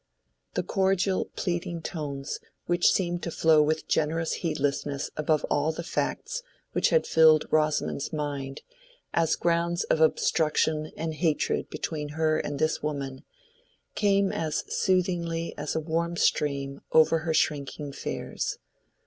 The cordial, pleading tones which seemed to flow with generous heedlessness above all the facts which had filled Rosamond's mind as grounds of obstruction and hatred between her and this woman, came as soothingly as a warm stream over her shrinking fears.